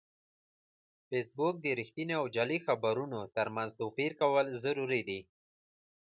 فېسبوک د رښتینې او جعلي خبرونو ترمنځ توپیر کول ضروري دي